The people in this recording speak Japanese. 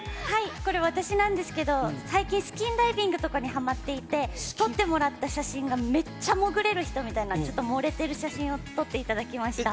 これ私なんですけど、最近、スキンダイビングにはまっていて、撮ってもらった写真がめっちゃ潜れる人みたいな、ちょっと盛れてる写真を撮っていただきました。